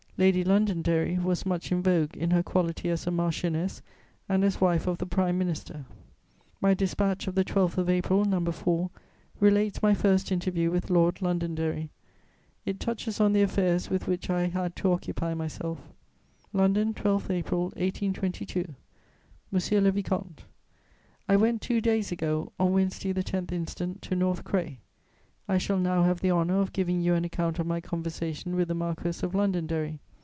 Lady Londonderry was much in vogue in her quality as a marchioness and as wife of the Prime Minister. My dispatch of the 12th of April, No. 4, relates my first interview with Lord Londonderry; it touches on the affairs with which I had to occupy myself: "LONDON, 12 April 1822. "MONSIEUR LE VICOMTE, "I went two days ago, on Wednesday the 10th instant, to North Cray. I shall now have the honour of giving you an account of my conversation with the Marquess of Londonderry.